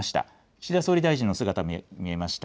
岸田総理大臣の姿が見えました。